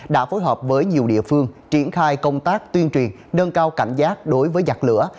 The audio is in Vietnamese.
đã phối hợp với nhiều địa phương triển khai công tác tuyên truyền nâng cao cảnh giác đối với giặc lửa